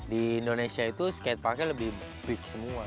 di indonesia itu skateparknya lebih beef semua